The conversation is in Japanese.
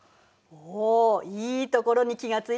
おいいところに気が付いたわね。